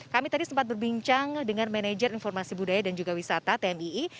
kami tadi sempat berbincang dengan manajer informasi budaya dan juga wisata tmii